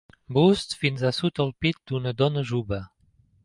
Bust fins a sota el pit d'una dona jove.